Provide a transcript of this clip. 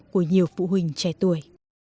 của nhiều phụ huynh trẻ tuổi